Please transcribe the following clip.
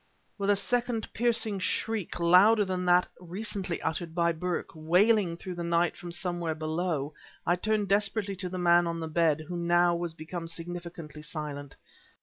With a second piercing shriek, louder than that recently uttered by Burke, wailing through the night from somewhere below, I turned desperately to the man on the bed, who now was become significantly silent.